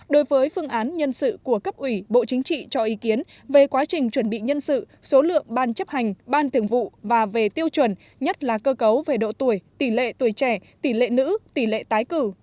đối với phương án nhân sự của cấp ủy bộ chính trị cho ý kiến về quá trình chuẩn bị nhân sự số lượng ban chấp hành ban thường vụ và về tiêu chuẩn nhất là cơ cấu về độ tuổi tỷ lệ tuổi trẻ tỷ lệ nữ tỷ lệ tái cử